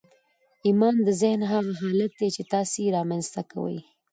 ايمان د ذهن هغه حالت دی چې تاسې يې رامنځته کوئ.